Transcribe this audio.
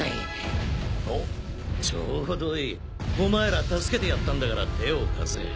おっちょうどいい。お前ら助けてやったんだから手を貸せ。